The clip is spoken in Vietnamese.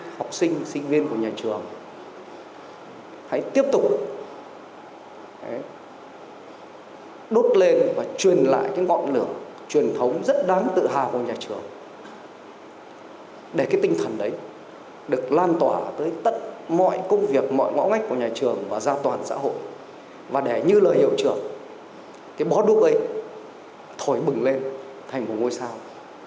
học sinh sinh viên của nhà trường hãy tiếp tục đốt lên và truyền lại cái ngọn lửa truyền thống rất đáng tự hào của nhà trường để cái tinh thần đấy được lan tỏa tới tất mọi công việc mọi ngõ ngách của nhà trường và gia toàn xã hội và để như lời hiệu trưởng cái bó đúc ấy thổi bừng lên thành một ngôi sao